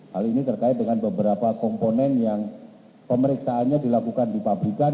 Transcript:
hal ini terkait dengan beberapa komponen yang pemeriksaannya dilakukan di pabrikan